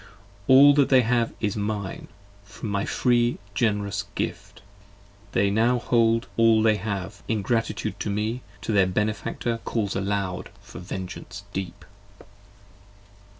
All that they have is mine: from my free gen'rous gift, They now hold all they have; ingratitude to me, To me their benefactor calls aloud for vengeance deep.